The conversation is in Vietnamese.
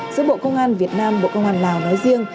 giữa bộ công an việt nam bộ công an lào nói riêng